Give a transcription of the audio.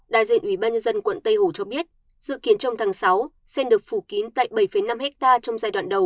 đại diện ủy ban nhân dân quận tây hồ cho biết dự kiến trong tháng sáu sen được phủ kín tại bảy năm hectare trong giai đoạn đầu